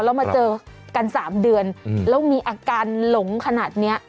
แล้วมาเจอกัน๓เดือนแล้วมีอาการหลงขนาดนี้